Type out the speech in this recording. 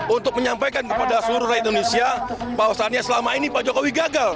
untuk menyampaikan kepada seluruh rakyat indonesia bahwasannya selama ini pak jokowi gagal